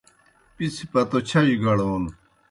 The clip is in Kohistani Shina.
پِڅھیْ پتو چھجوْ گڑون